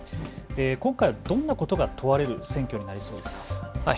今回はどんなことが問われる選挙になりそうですか。